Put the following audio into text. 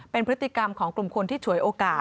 เป็นพฤติกรรมของกลุ่มคนที่ฉวยโอกาส